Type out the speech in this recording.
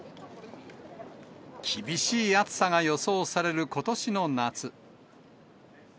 厳しい暑さが予想されることしの夏。